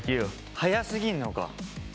早すぎんのか。